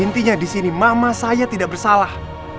intinya disini mama saya tidak bersalah